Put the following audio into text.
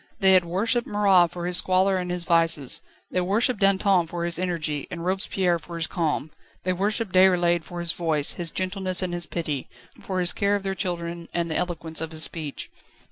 They had worshipped Marat for his squalor and his vices; they worshipped Danton for his energy and Robespierre for his calm; they worshipped Déroulède for his voice, his gentleness and his pity, for his care of their children and the eloquence of his speech.